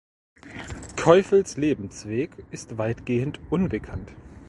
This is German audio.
Keuffels Lebensweg ist weitgehend unbekannt.